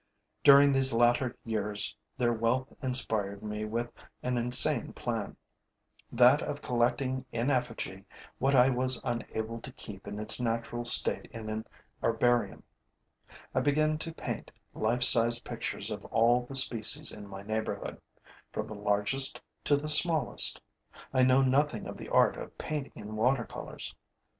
During these latter years, their wealth inspired me with an insane plan: that of collecting in effigy what I was unable to keep in its natural state in an herbarium. I began to paint life size pictures of all the species in my neighborhood, from the largest to the smallest. I know nothing of the art of painting in watercolors.